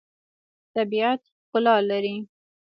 طبیعت ښکلا لري.